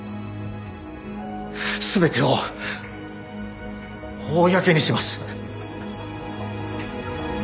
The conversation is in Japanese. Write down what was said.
全てを公にします。